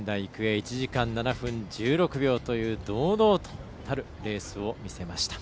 １時間７分１６秒という堂々たるレースを見せました。